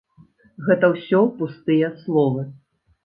Гэта ўсё пустыя словы.